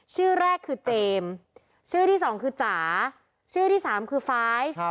ชื่อแรกคือเจมชื่อที่๒คือจ๋าชื่อที่๓คือฟ้าย